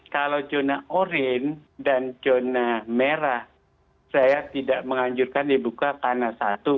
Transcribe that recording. kalau zona orange dan zona merah saya tidak menganjurkan dibuka karena satu